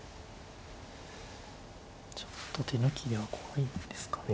ちょっと手抜きでは怖いですかね。